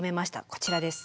こちらです。